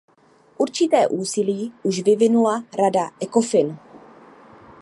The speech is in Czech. Určité úsilí už vyvinula Rada Ecofin.